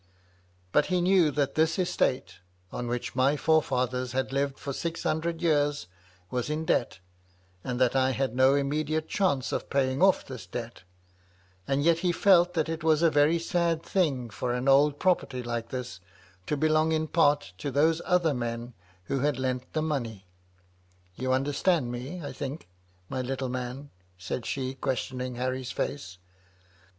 But he knew that this estate— on which my forefathers had lived for six hundred years — was in debt, and that 286 MY LADY LUDLOW. I had no immediate chance of paying o£P this debt ; and yet he felt that it was a very sad thing for an old property like this to belong in part to those other men, who had lent the money. You understand me, I think, my little man ?" said she, questioning Harry's face.